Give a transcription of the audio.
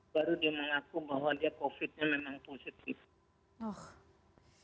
baru dia mengaku bahwa dia covid nya memang positif